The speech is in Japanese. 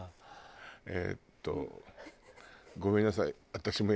えっとごめんなさい。